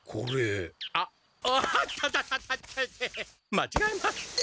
まちがえました。